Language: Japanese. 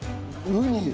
ウニ？